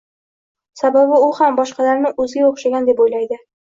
Sababi u ham boshqalarni o‘ziga o‘xshagan deb o‘ylaydi.